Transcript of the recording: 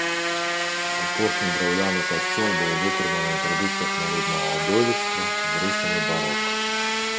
Апошні драўляны касцёл быў вытрыманы ў традыцыях народнага дойлідства з рысамі барока.